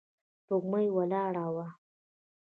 سپوږمۍ ولاړه وه.